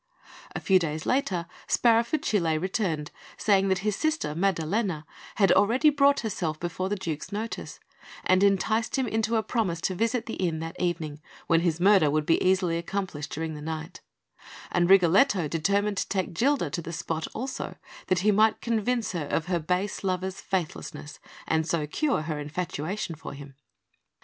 A few days later Sparafucile returned, saying that his sister, Maddalena, had already brought herself before the Duke's notice, and enticed him into a promise to visit the inn that evening, when his murder would be easily accomplished during the night; and Rigoletto determined to take Gilda to the spot also, that he might convince her of her base lover's faithlessness, and so cure her infatuation for him.